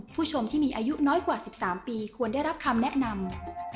ผู้ชมที่มีอายุน้อยกว่า๑๓ปีควรได้รับคำแนะนำ